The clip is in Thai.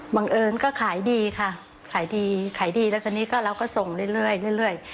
บังเอิญก็ขายดีค่ะขายดีขายดีแล้วทีนี้ก็เราก็ส่งเรื่อย